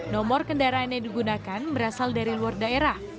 nomor kendaraan yang digunakan berasal dari luar daerah